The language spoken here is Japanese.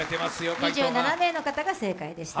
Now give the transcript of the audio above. ２７名の方が正解でした。